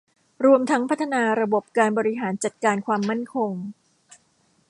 รวมทั้งพัฒนาระบบการบริหารจัดการความมั่นคง